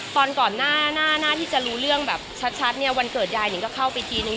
ตอนก่อนหน้าที่จะรู้เรื่องแบบชัดเนี่ยวันเกิดยายนิงก็เข้าไปทีนึง